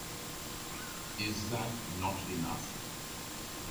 Is that not enough?